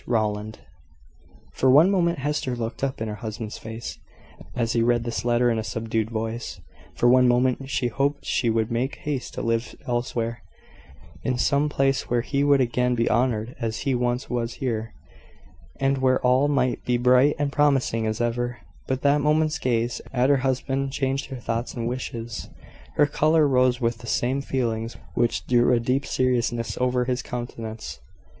Rowland." For one moment Hester looked up in her husband's face, as he read this letter in a subdued voice for one moment she hoped he would make haste to live elsewhere in some place where he would again be honoured as he once was here, and where all might be bright and promising as ever: but that moment's gaze at her husband changed her thoughts and wishes. Her colour rose with the same feelings which drew a deep seriousness over his countenance.